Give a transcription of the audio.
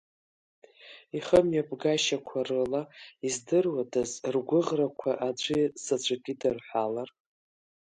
Ихымҩаԥгашьақәа рыла издыруадаз ргәыӷрақәа аӡәы заҵәык идырҳәалар…